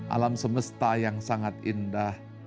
alam semesta yang sangat indah